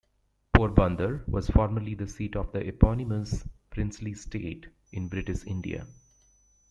Porbandar was formerly the seat of the eponymous princely state in British India.